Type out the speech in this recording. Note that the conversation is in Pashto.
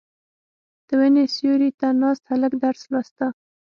• د ونې سیوري ته ناست هلک درس لوسته.